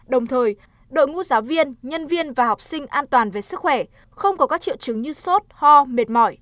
đồng thời đội ngũ giáo viên nhân viên và học sinh an toàn về sức khỏe không có các triệu chứng như sốt ho mệt mỏi